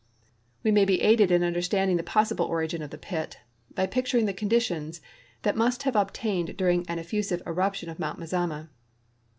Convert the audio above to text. We may be aided in understanding the })0ssible origin of the pit by picturing the conditions that must have obtained during an effusive eruption of Mount Mazama.